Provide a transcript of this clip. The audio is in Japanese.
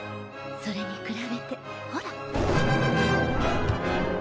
それに比べてほら。